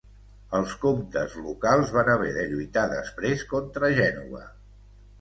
Els comtes locals van haver de lluitar després contra Gènova.